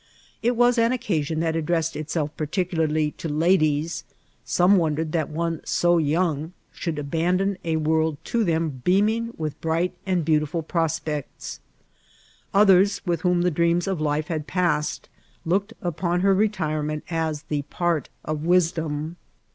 It wbb an occasicm that ad dressed itself particularly to ladies ; some wondered that one so young should abandon a world to them beaming with bright and beautiful prospects ; others, with whom the dreams of life had passed, looked upon lier retiraanent as the part of wisdom.